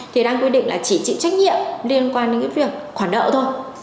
thì đang quy định là chỉ chịu trách nhiệm liên quan đến cái việc khoản nợ thôi